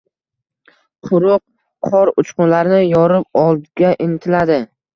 Quyuq qor uchqunlarini yorib oldga intiladi.